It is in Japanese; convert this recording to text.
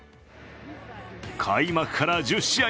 開幕から１０試合